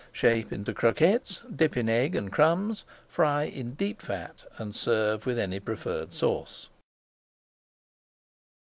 Shape into croquettes, dip in egg and crumbs, fry in deep fat, and serve with any preferred sauce.